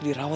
gak gak om